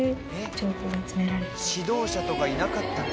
「指導者とかいなかったの？」